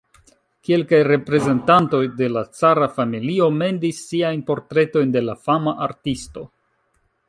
Kelkaj reprezentantoj de la cara familio mendis siajn portretojn de la fama artisto.